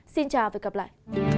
xin chào và hẹn gặp lại